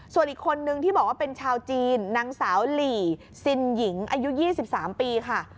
ส่วนอีกคนนึงที่บอกว่าเป็นชาวจีนนางสาวหลีซินหญิงอายุ๒๓ปีค่ะ